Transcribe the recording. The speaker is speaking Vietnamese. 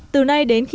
từ nay đến khi